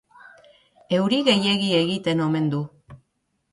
Euri gehiegi egiten omen du.